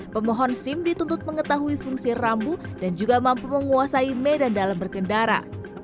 pemohon sim dituntut mengetahui fungsi rambu dan juga mampu menguasai medan dalam berkendara